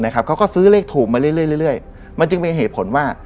เขาก็ซื้อเลขถูกมาเรื่อยมันจึงเป็นเหตุผลว่า